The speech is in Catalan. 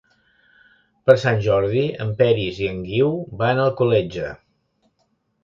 Per Sant Jordi en Peris i en Guiu van a Alcoletge.